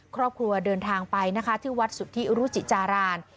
ครอบครัวเดินทางไปนะคะที่วัดสุทธิรุจิจาราม